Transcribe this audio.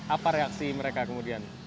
apa reaksi mereka kemudian